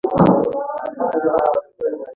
د سیاح احترام کوي او د مشر خطاب ورته کوي.